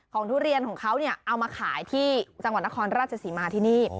ทุเรียนของเขาเนี่ยเอามาขายที่จังหวัดนครราชศรีมาที่นี่